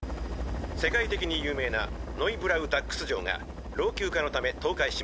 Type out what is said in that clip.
「世界的に有名なノイブラウダックス城が老朽化のため倒壊しました」